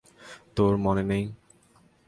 তোর মনে নেই?